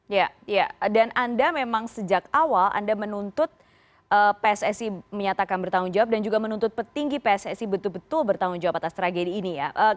ya dan anda memang sejak awal anda menuntut pssi menyatakan bertanggung jawab dan juga menuntut petinggi pssi betul betul bertanggung jawab atas tragedi ini ya